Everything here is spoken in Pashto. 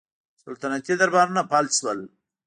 سلطنتي دربارونه فلج شول